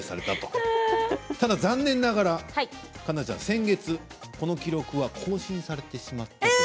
ただ残念ながら先月その記録が更新されてしまったと。